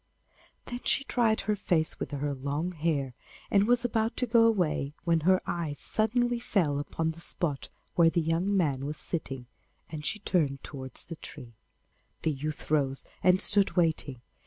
Then she dried her face with her long hair, and was about to go away, when her eye suddenly fell upon the spot where the young man was sitting, and she turned towards the tree. The youth rose and stood waiting.